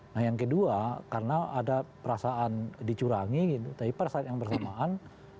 nah yang kedua karena ada perasaan dicurangi gitu tapi pada saat yang bersamaan